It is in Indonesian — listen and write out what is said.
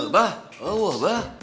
bah wah bah